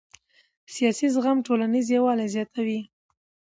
سیاسي زغم ټولنیز یووالی زیاتوي